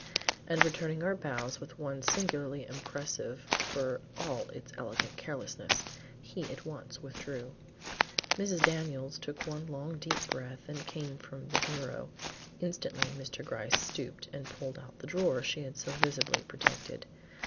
And returning our bows with one singularly impressive for all its elegant carelessness, he at once withdrew. Mrs. Daniels took one long deep breath and came from the bureau. Instantly Mr. Gryce stooped and pulled out the drawer she had so visibly protected.